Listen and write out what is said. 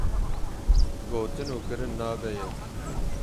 Gotin û kirin nabe yek.